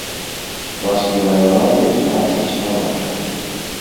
Раз не ваявалі, значыць, не ваша.